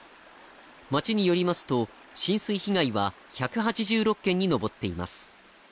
町によりますと、浸水被害は１８６件に上っています。